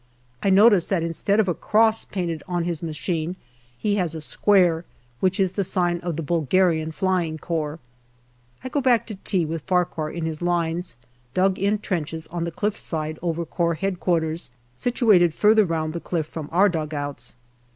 I notice that instead of having a cross painted on his machine he has a square, which is the sign of the Bulgarian Flying Corps. I go back to tea with Farquhar in his lines, dug in trenches on the cliff side over Corps H.Q., situated further round the cliff from our dugouts.